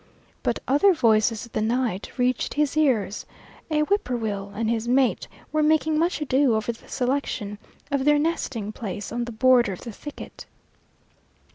But other voices of the night reached his ears; a whippoorwill and his mate were making much ado over the selection of their nesting place on the border of the thicket.